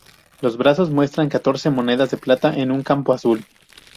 Los brazos muestran catorce monedas de plata en un campo azul.